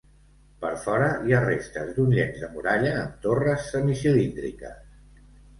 Per fora, hi ha restes d'un llenç de muralla amb torres semicilíndriques.